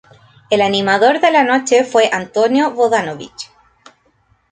El animador de la noche fue Antonio Vodanovic.